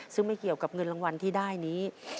ซึ่งไม่เกี่ยวกับเงินรางวัลที่ได้นี้